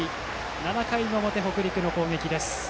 ７回の表、北陸の攻撃です。